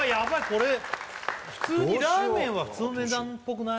これラーメンは普通の値段っぽくない？